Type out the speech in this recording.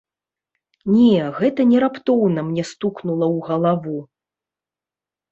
Не, гэта не раптоўна мне стукнула ў галаву.